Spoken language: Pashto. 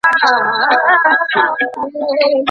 ولي کوښښ کوونکی د مستحق سړي په پرتله موخي ترلاسه کوي؟